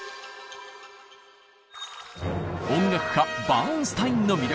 音楽家バーンスタインの魅力。